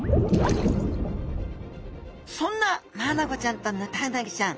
そんなマアナゴちゃんとヌタウナギちゃん